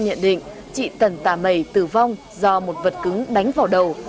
tần láo lờ nhận định chị tần tà mầy tử vong do một vật cứng đánh vào đầu